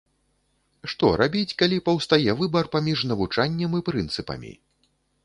Што рабіць, калі паўстае выбар паміж навучаннем і прынцыпамі?